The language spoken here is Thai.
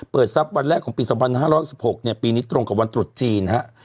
เปิดทรัพย์วันแรกของปี๒๕๑๖ปีนี้ตรงกับวันตรวจจีนครับ